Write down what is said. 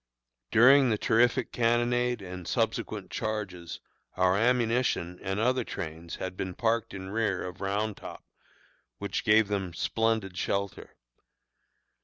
During the terrific cannonade and subsequent charges, our ammunition and other trains had been parked in rear of Round Top, which gave them splendid shelter.